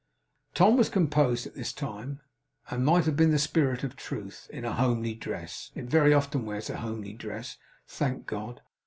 Tom was composed by this time, and might have been the Spirit of Truth, in a homely dress it very often wears a homely dress, thank God!